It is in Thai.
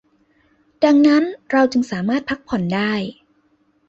ดังนั้นเราจึงสามารถพักผ่อนได้